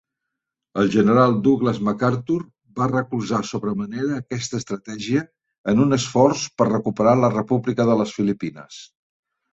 El General Douglas MacArthur va recolzar sobre manera aquesta estratègia en un esforç per recuperar la República de les Filipines.